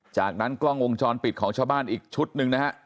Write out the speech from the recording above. จากนั้นกล้องวงจรปิดของชาวบ้านอีกชุดหนึ่งนะฮะ